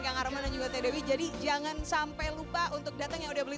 kang arman dan juga teh dewi jadi jangan sampai lupa untuk datang yang udah beli